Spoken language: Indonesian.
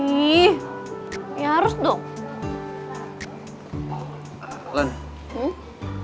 ih ya harus dong